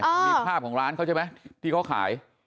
มีภาพของร้านเขาใช่ไหมที่เขาขาย